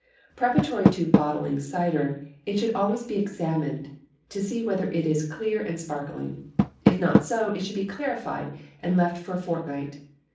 Preparatory to bottling cider, it should always be examined, to see whether it is clear and sparkling. If not so, it should be clarified, and left for a fortnight.